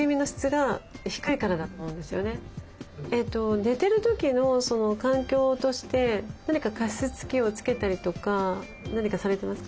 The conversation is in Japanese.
寝てる時の環境として何か加湿器をつけたりとか何かされてますか？